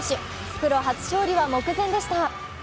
プロ初勝利は目前でした。